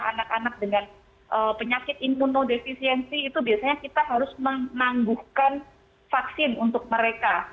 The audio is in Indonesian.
anak anak dengan penyakit imunodeficiensi itu biasanya kita harus menangguhkan vaksin untuk mereka